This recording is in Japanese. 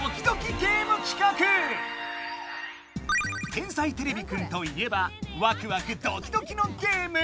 「天才てれびくん」といえばワクワクドキドキのゲーム。